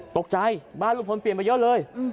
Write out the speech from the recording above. ตกใจบ้านลุงพลเปลี่ยนมาเยอะเลย